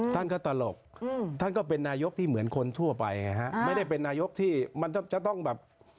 ท่านก็ตลกท่านก็เป็นนายกที่เหมือนคนทั่วไปไงฮะไม่ได้เป็นนายกที่มันจะต้องแบบ